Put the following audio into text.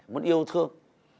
muốn yêu thương